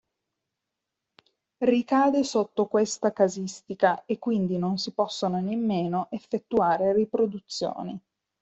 Ricade sotto questa casistica e quindi non si possono nemmeno effettuare riproduzioni.